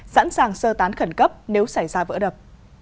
sẵn sàng sơ tán khẩn cấp nếu xảy ra vỡ đập